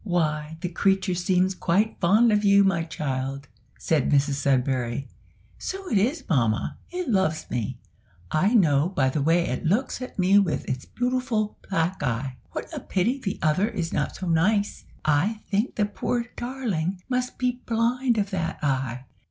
"Why, the creature seems quite fond of you, my child," said Mrs Sudberry. "So it is, mamma. It loves me, I know, by the way it looks at me with its beautiful black eye. What a pity the other is not so nice! I think the poor darling must be blind of that eye."